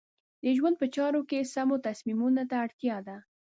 د ژوند په چارو کې سمو تصمیمونو ته اړتیا ده.